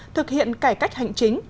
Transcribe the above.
thực hiện cải cách hành chính